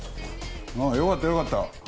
ああよかったよかった。